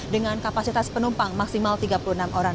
dengan kapasitas penumpang maksimal tiga puluh enam orang